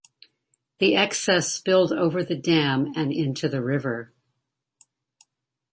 The excess spilled over the dam and into the river.